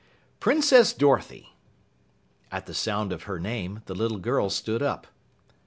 "Princess Dorothy!" At the sound of her name, the little girl stood up.